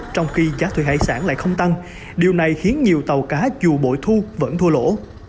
trong khi giá thuê hải sản lại không tăng điều này khiến nhiều tàu cá dù bội thu vẫn thua lỗ